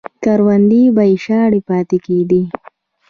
کروندې به یې شاړې پاتې کېدې.